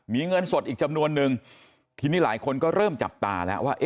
มีเงินสดอีกจำนวนนึงทีนี้หลายคนก็เริ่มจับตาแล้วว่า